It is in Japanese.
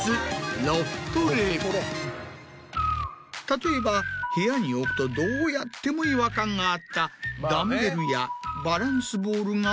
例えば部屋に置くとどうやっても違和感があった。